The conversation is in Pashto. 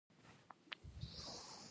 د سوداګرۍ وزارت خدمات څنګه دي؟